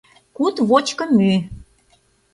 КУД ВОЧКО МӰЙ